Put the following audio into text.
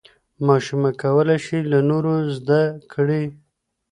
ماشومه کولی شي له نورو زده کړي.